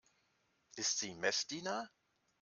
Ist sie Messdiener?